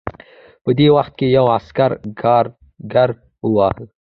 په دې وخت کې یو عسکر کارګر وواهه